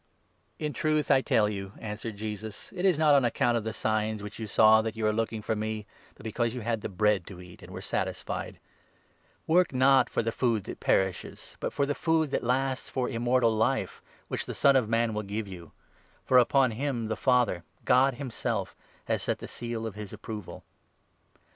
118. 26. JOHN, 6. 177 " In truth I tell you," answered Jesus, " it is not on account 26 of the signs which you saw that you are looking for me, but because you had the bread to eat and were satisfied. Work, 27 not for the food that perishes, but for the food that lasts for Immortal Life, which the Son of Man will give you ; for upon him the Father — God himself — has set the seal of his approval."